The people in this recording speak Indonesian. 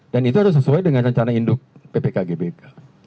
dan itu harus sesuai dengan rencana induk ppkgbk